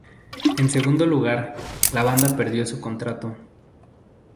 En segundo lugar, la banda perdió su contrato.